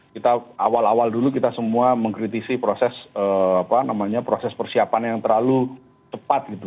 kita awal awal dulu kita semua mengkritisi proses persiapan yang terlalu cepat gitu